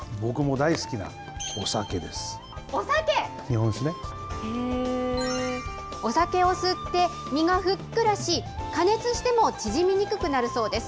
お酒を吸って、身がふっくらし、加熱しても縮みにくくなるそうです。